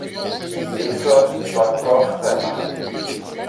ίσως τον πρόφθαινα.